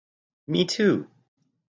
Me too!